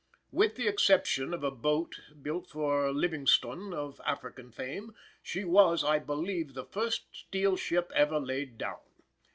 With the exception of a boat built for Livingstone of African fame, she was, I believe, the first steel ship ever laid down.